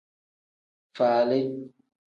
Faali.